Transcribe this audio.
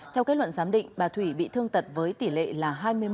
theo kết luận giám định bà thủy bị thương tật với tỷ lệ là hai mươi một